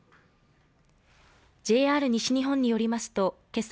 ＪＲ西日本によりますとけさ